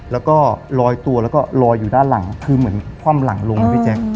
แล้วก็ลอยตัวแล้วก็ลอยอยู่ด้านหลังคือเหมือนคว่ำหลังลงนะพี่แจ๊ค